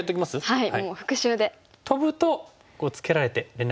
はい。